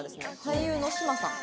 俳優の嶋さん